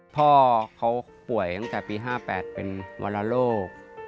พ่อเขาป่วยตั้งแต่ปี๕๘เป็นวรโรค